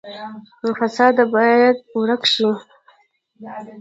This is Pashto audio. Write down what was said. فساد باید ورک شي